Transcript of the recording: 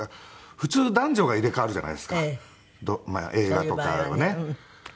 普通男女が入れ替わるじゃないですか映画とかはね。